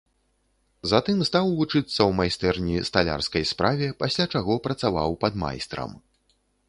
Затым стаў вучыцца ў майстэрні сталярскай справе, пасля чаго працаваў падмайстрам.